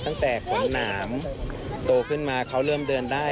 ขนหนามโตขึ้นมาเขาเริ่มเดินได้